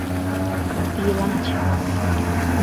伊拉橋